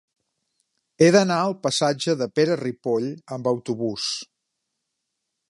He d'anar al passatge de Pere Ripoll amb autobús.